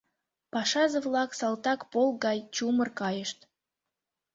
Пашазе-влак салтак полк гай чумыр кайышт.